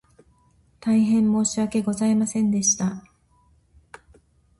大変申し訳ございませんでした